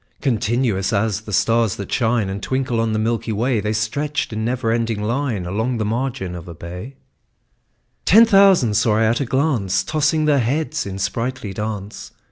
Continuous as the stars that shine And twinkle on the milky way, The stretched in never ending line Along the margin of a bay: Ten thousand saw I at a glance, Tossing their heads in sprightly dance.